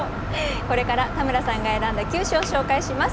これから田村さんが選んだ９首を紹介します。